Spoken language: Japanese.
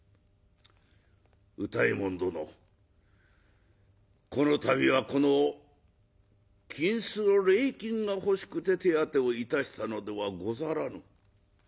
「歌右衛門殿この度はこの金子の礼金が欲しくて手当てをいたしたのではござらぬ。